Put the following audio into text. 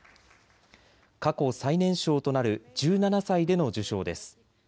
過去最年少となる１７歳での受賞です。